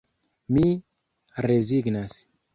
Mi rezignas.